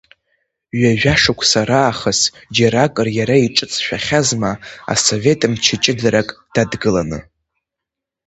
Ҩажәа шықәса раахыс, џьаракыр иара иҿыҵшәахьазма асовет мчы ҷыдарак дадгыланы.